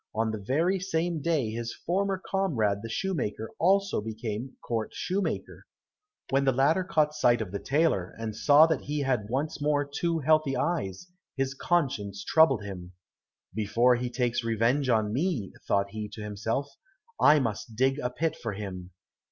On the very same day his former comrade the shoemaker also became court shoemaker. When the latter caught sight of the tailor, and saw that he had once more two healthy eyes, his conscience troubled him. "Before he takes revenge on me," thought he to himself, "I must dig a pit for him."